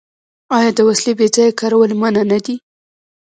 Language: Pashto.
آیا د وسلې بې ځایه کارول منع نه دي؟